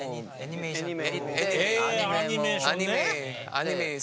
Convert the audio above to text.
アニメも。